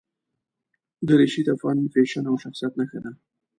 دریشي د فن، فیشن او شخصیت نښه ده.